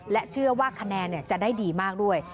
เชื่อว่าคะแนนจะได้ดีมากด้วย